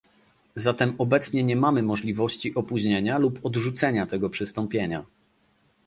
Zatem obecnie nie mamy możliwości opóźnienia lub odrzucenia tego przystąpienia